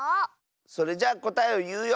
それじゃこたえをいうよ！